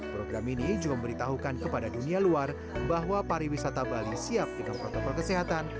program ini juga memberitahukan kepada dunia luar bahwa pariwisata bali siap dengan protokol kesehatan